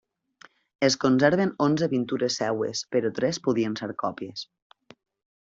Es conserven onze pintures seves però tres podrien ser còpies.